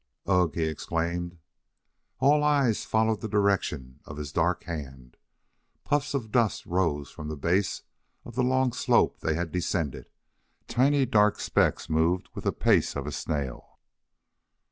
"Ugh!" he exclaimed. All eyes followed the direction of his dark hand. Puffs of dust rose from the base of the long slope they had descended; tiny dark specks moved with the pace of a snail.